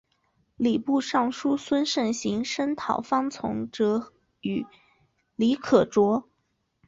礼部尚书孙慎行声讨方从哲与李可灼。